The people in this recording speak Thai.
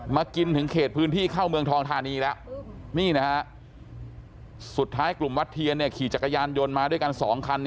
กินถึงเขตพื้นที่เข้าเมืองทองธานีแล้วนี่นะฮะสุดท้ายกลุ่มวัดเทียนขี่จักรยานยนต์มาด้วยกัน๒คัน